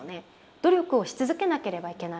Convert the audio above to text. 努力をし続けなければいけない。